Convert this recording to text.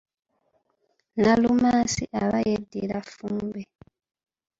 Nalumansi aba yeddira Ffumbe.